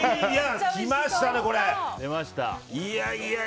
きましたね、これ。